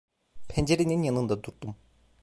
Pencerenin yanında durdum.